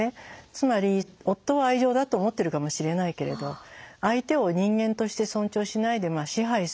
つまり夫は愛情だと思ってるかもしれないけれど相手を人間として尊重しないで支配する。